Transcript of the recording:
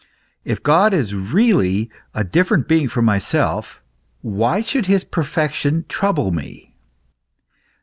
If God is really a different being from myself, why should his perfection trouble me